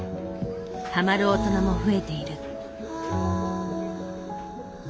ハマる大人も増えている。